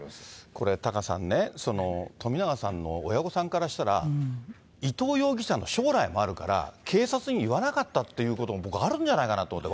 これ、タカさんね、冨永さんの親御さんからしたら、伊藤容疑者の将来もあるから、警察に言わなかったっていうことも僕はあるんじゃないかなと思っ